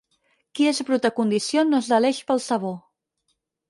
Qui és brut de condició no es deleix pel sabó.